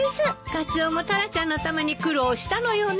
カツオもタラちゃんのために苦労したのよね。